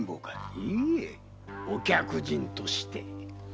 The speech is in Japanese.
いいえお客人として。